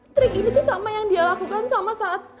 trik ini tuh sama yang dia lakukan sama saat